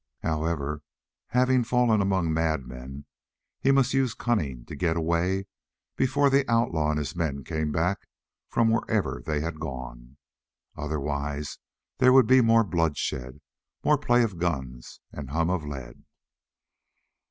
However, having fallen among madmen, he must use cunning to get away before the outlaw and his men came back from wherever they had gone. Otherwise there would be more bloodshed, more play of guns and hum of lead.